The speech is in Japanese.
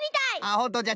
ほんとじゃ。